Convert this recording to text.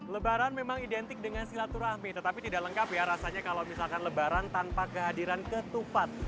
lebaran memang identik dengan silaturahmi tetapi tidak lengkap ya rasanya kalau misalkan lebaran tanpa kehadiran ketupat